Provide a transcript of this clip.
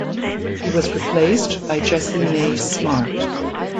He was replaced by Jessie May Smart.